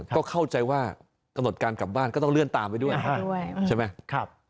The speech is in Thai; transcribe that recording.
ก็เข้าใจว่ากำหนดการกลับบ้านก็ต้องเลื่อนตามไปด้วยใช่ไหม